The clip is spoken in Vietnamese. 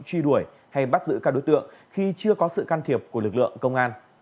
truy đuổi hay bắt giữ các đối tượng khi chưa có sự can thiệp của lực lượng công an